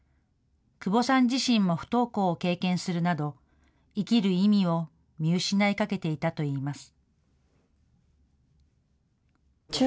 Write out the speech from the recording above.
窪さん自身も不登校を経験するなど、生きる意味を見失いかけていたといいます。